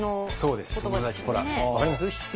分かります？